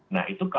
nah itu kalau